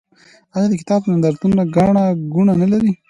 آیا د کتاب نندارتونونه ګڼه ګوڼه نلري؟